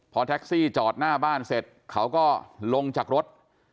พอแท็กซี่จอดหน้าบ้านเสร็จเขาก็ลงจากรถ